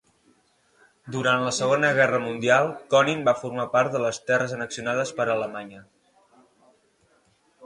Durant la Segona Guerra Mundial Konin va formar part de les terres annexionades per Alemanya.